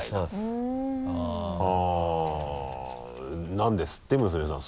なんですって娘さん